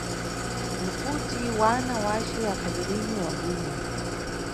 Nakuti wana wace akhali lini wa bwino.